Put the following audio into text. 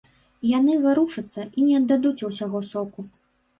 Яны варушацца і не аддадуць усяго соку.